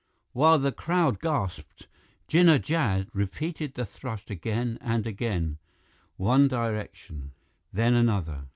While the crowd gasped, Jinnah Jad repeated the thrust again and again, one direction, then another.